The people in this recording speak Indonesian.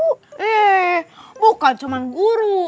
eh bukan cuma guru